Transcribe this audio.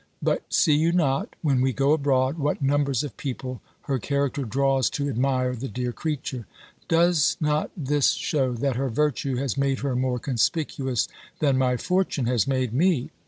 But see you not, when we go abroad, what numbers of people her character draws to admire the dear creature? Does not this shew, that her virtue has made her more conspicuous than my fortune has made me?